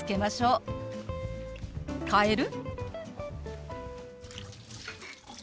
「変える？」。